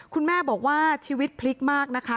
คุณแม่บอกว่าชีวิตพลิกมากนะคะ